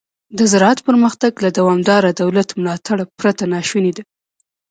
د زراعت پرمختګ له دوامداره دولت ملاتړ پرته ناشونی دی.